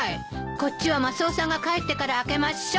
こっちはマスオさんが帰ってから開けましょう。